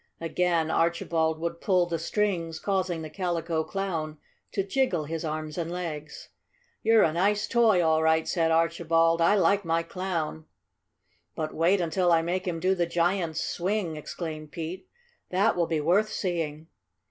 Again Archibald would pull the strings, causing the Calico Clown to jiggle his arms and legs. "You're a nice toy, all right," said Archibald. "I like my Clown!" "But wait until I make him do the giant's swing!" exclaimed Pete. "That will be worth seeing!"